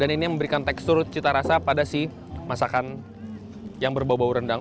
dan ini yang memberikan tekstur cita rasa pada si masakan yang berbau bau rendang